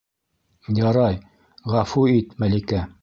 Ярай, ғәфү ит, Мәликә.